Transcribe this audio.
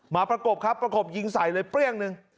ประกบครับประกบยิงใส่เลยเปรี้ยงหนึ่ง